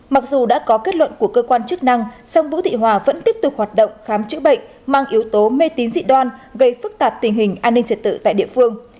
mặc dù đã có kết luận của cơ quan chức năng song vũ thị hòa vẫn tiếp tục hoạt động khám chữa bệnh mang yếu tố mê tín dị đoan gây phức tạp tình hình an ninh trật tự tại địa phương